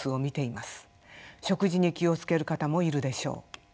食事に気を付ける方もいるでしょう。